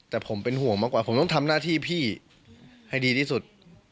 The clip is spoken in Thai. แต่ผมเป็นห่วงมากกว่าผมต้องทำหน้าที่พี่ให้ดีที่สุด